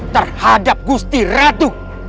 terhadap gusti ratu